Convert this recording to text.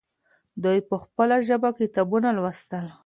دوی په خپله ژبه کتابونه لوستل.